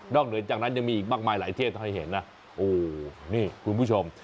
เหนือจากนั้นยังมีอีกมากมายหลายเทพให้เห็นนะโอ้นี่คุณผู้ชม